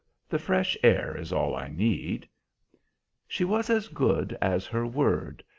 The fresh air is all I need." She was as good as her word.